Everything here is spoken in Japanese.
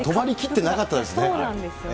そうなんですよね。